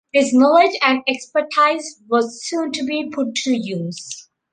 This knowledge and expertise was soon to be put to use.